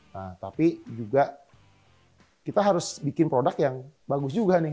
nah tapi juga kita harus bikin produk yang bagus juga nih